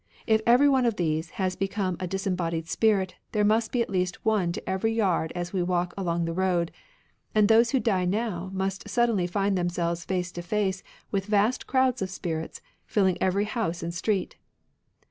If every one of these has become a disembodied spirit, there must be at least one to every yard as we walk along the road; and those who die now must suddenly find themselves face to face with vast crowds of spirits, filling every house and street.